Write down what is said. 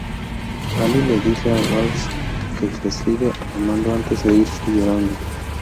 Ally le dice a Wallace que le sigue amando antes de irse llorando.